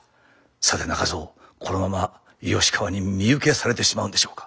さて中蔵このまま吉川に身請けされてしまうんでしょうか？